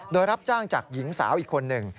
โดยรับจ้างจากหญิงสาวอีกคนหนึ่ง